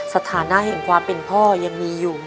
สถานะแห่งความเป็นพ่อยังมีอยู่